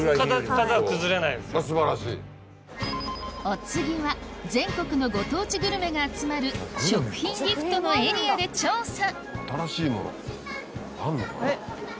お次は全国のご当地グルメが集まる食品ギフトのエリアで調査あれ？